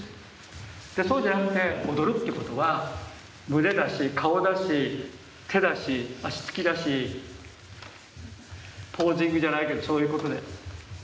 そうじゃなくて踊るってことは胸だし顔だし手だし足つきだしポージングじゃないけどそういうことで。